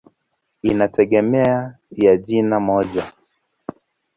Inategemea ya jina moja.